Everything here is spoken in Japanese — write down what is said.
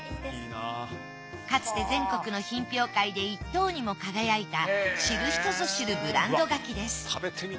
かつて全国の品評会で１等にも輝いた知る人ぞ知るブランド柿です。